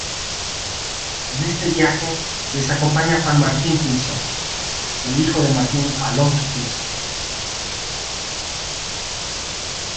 En este viaje les acompaña Juan Martín Pinzón, el hijo de Martín Alonso Pinzón.